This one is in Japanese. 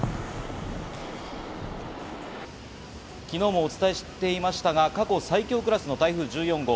昨日もお伝えしていましたが、過去最強クラスの台風１４号。